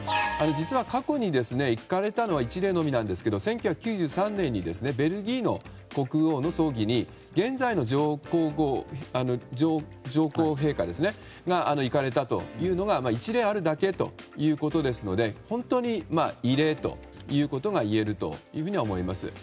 実は、過去に行かれたのは１例のみなんですけど１９９３年にベルギーの国王の葬儀に現在の上皇陛下が行かれたと行かれたというのが１例あるだけですので本当に異例ということが言えると思います。